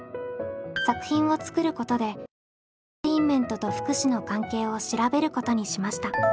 作品を作ることでエンターテインメントと福祉の関係を調べることにしました。